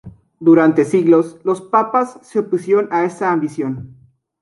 Durante siglos los papas se opusieron a esa ambición.